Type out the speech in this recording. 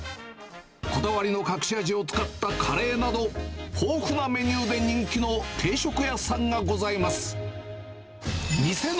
こだわりの隠し味を使ったカレーなど、豊富なメニューで人気の定食屋さんがございます。